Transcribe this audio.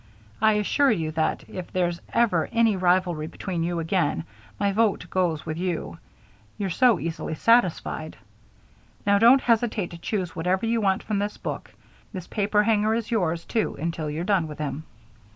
I assure you that, if there's ever any rivalry between you again, my vote goes with you you're so easily satisfied. Now don't hesitate to choose whatever you want from this book. This paperhanger is yours, too, until you're done with him."